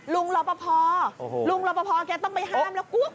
ลุงรปภลุงรปภแกต้องไปห้ามแล้วกลัวกลัว